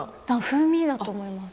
風味だと思います。